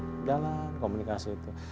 sudahlah komunikasi itu